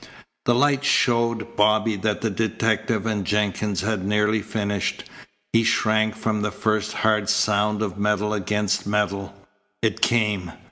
The light showed Bobby that the detective and Jenkins had nearly finished. He shrank from the first hard sound of metal against metal. It came.